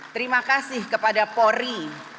terima kasih kepada pori